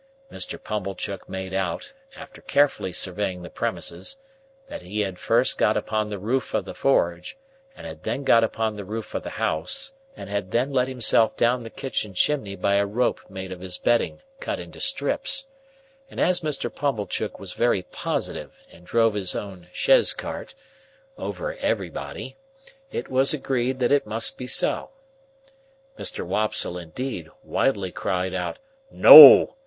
Mr. Pumblechook made out, after carefully surveying the premises, that he had first got upon the roof of the forge, and had then got upon the roof of the house, and had then let himself down the kitchen chimney by a rope made of his bedding cut into strips; and as Mr. Pumblechook was very positive and drove his own chaise cart—over everybody—it was agreed that it must be so. Mr. Wopsle, indeed, wildly cried out, "No!"